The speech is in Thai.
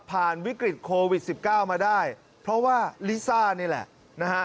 วิกฤตโควิด๑๙มาได้เพราะว่าลิซ่านี่แหละนะฮะ